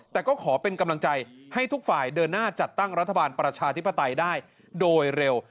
แต่ก็ขอเป็นกำลังใจให้ทุกฝ่ายเดินหน้าจัดตั้งรัฐบาลประชาธิปไตยได้โดยเร็ว